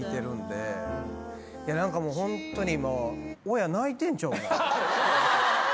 何かもうホントに今。